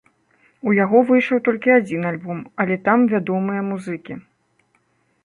У яго выйшаў толькі адзін альбом, але там вядомыя музыкі.